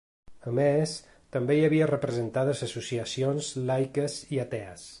A més, també hi havia representades associacions laiques i atees.